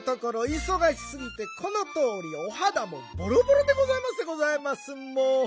いそがしすぎてこのとおりおはだもボロボロでございますでございます。